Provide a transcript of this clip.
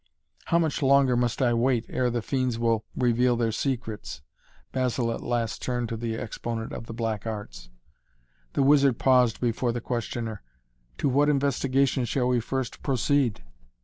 "How much longer must I wait ere the fiends will reveal their secrets?" Basil at last turned to the exponent of the black arts. The wizard paused before the questioner. "To what investigation shall we first proceed?"